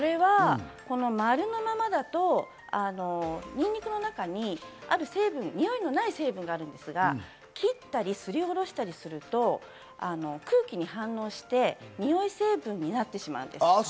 丸のままだと、にんにくの中にある成分、においのない成分があるんですが、切ったりすりおろしたりすると空気に反応してにおい成分になってしまう。